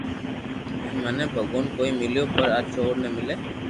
ھين مني ڀگوان ڪوئي مليو پر آ چور ني ملي